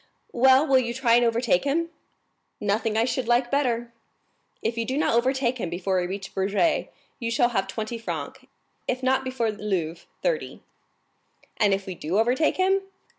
"Well, will you try and overtake him?" "Nothing I should like better." "If you do not overtake him before we reach Bourget you shall have twenty francs; if not before Louvres, thirty." "And if we do overtake him?"